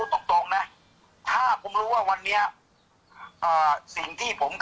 แม่ยังคงมั่นใจและก็มีความหวังในการทำงานของเจ้าหน้าที่ตำรวจค่ะ